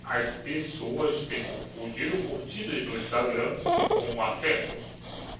As pessoas têm confundido curtidas no Instagram com afeto